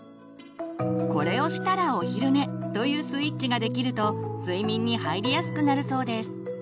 「これをしたらお昼寝」というスイッチができると睡眠に入りやすくなるそうです。